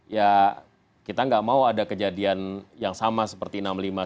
ya kita nggak mau ada kejadian yang sama seperti enam ribu lima ratus sembilan puluh delapan